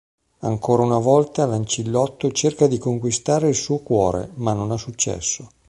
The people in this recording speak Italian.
Ancora una volta, Lancillotto cerca di conquistare il suo cuore, ma non ha successo.